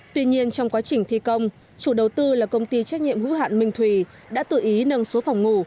tuy nhiên trong quá trình thi công chủ đầu tư là công ty trách nhiệm hữu hạn minh thùy đã tự ý nâng số phòng ngủ